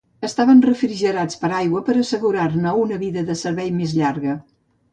Estaven refrigerats per aigua per assegurar-ne una vida de servei més llarga.